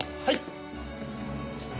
はい！